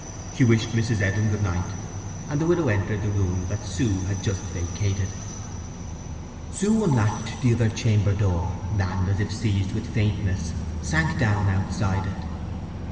She wished Mrs. Edlin good night, and the widow entered the room that Sue had just vacated. Sue unlatched the other chamber door, and, as if seized with faintness, sank down outside it.